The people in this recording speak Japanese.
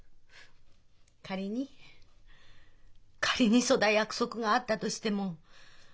仮に仮にそだ約束があったとしても。